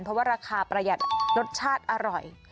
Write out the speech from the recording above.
เพราะว่าราคาประหยัดรสชาติอร่อย